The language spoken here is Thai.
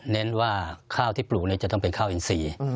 เน้นว่าข้าวที่ปลูกจะต้องเป็นข้าวอินซี